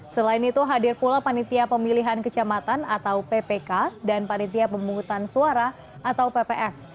selain itu hadir pula panitia pemilihan kecamatan atau ppk dan panitia pemungutan suara atau pps